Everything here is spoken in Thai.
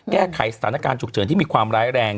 แก้ไขสถานการณ์ฉุกเฉินที่มีความร้ายแรง